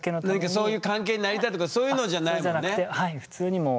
そういう関係になりたいとかそういうのじゃないもんね。